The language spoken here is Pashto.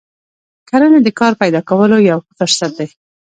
کرنه د کار پیدا کولو یو ښه فرصت دی.